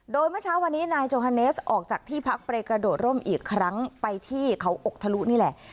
โดยเมื่อเช้าวันนี้นายโจฮาเนสออกจากที่พักไปกระโดดร่มอีกครั้งไปที่เขาอกทะลุนี่แหละ